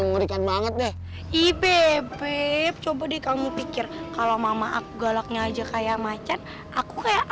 mengerikan banget deh ipp coba deh kamu pikir kalau mama aku galaknya aja kayak macet aku kayak